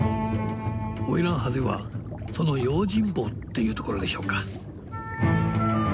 オイランハゼはその用心棒っていうところでしょうか。